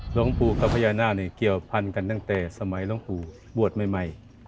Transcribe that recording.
หลวงปู่คำพันธ์กับพญานาคาราชนั้นเกี่ยวกับพันธ์กันตั้งแต่สมัยหลวงปู่บวชใหม่